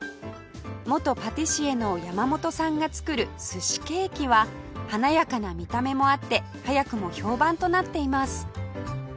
元パティシエの山本さんが作る寿司ケーキは華やかな見た目もあって早くも評判となっています